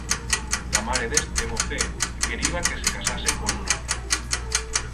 La mare d'este mocet queriba que se casase con una atra.